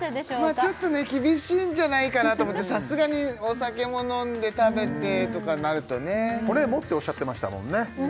ちょっと厳しいんじゃないかなと思ってさすがにお酒も飲んで食べてとかになるとね「骨も」っておっしゃってましたもんね